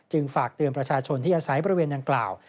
ฝากเตือนประชาชนที่อาศัยบริเวณดังกล่าว